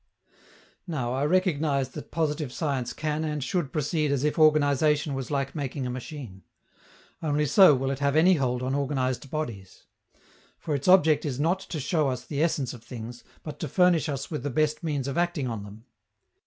Now I recognize that positive science can and should proceed as if organization was like making a machine. Only so will it have any hold on organized bodies. For its object is not to show us the essence of things, but to furnish us with the best means of acting on them.